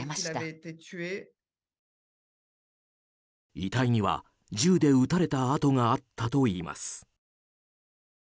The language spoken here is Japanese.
遺体には銃で撃たれた痕があったといいます。